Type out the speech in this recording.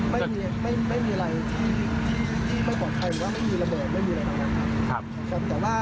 ไม่มีอะไรที่ไม่ปลอดภัยไม่มีระเบิดไม่มีอะไรต่างครับ